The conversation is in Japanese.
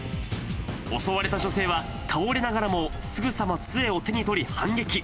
襲われた女性は、倒れながらも、すぐさまつえを手に取り反撃。